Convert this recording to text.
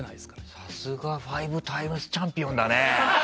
さすがファイブタイムスチャンピオンだね！